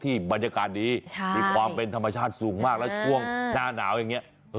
บรรยากาศดีมีความเป็นธรรมชาติสูงมากแล้วช่วงหน้าหนาวอย่างนี้